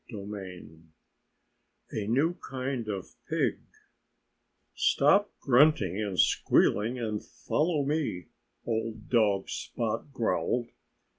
XX A NEW KIND OF PIG "Stop grunting and squealing and follow me!" old dog Spot growled.